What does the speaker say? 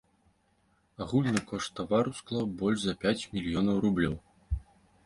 Агульны кошт тавару склаў больш за пяць мільёнаў рублёў.